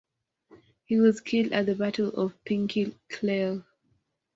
He was killed at the Battle of Pinkie Cleugh.